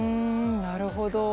なるほど！